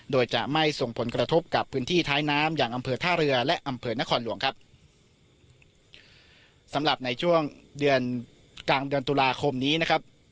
โดยจะไม่ส่งผลกระทบกับพื้นที่ท้ายน้ำอย่างอำเภอท่าเรือและอำเภอนครหลวงครับสำหรับในช่วงเดือนกลางเดือนตุลาคมนี้นะครับ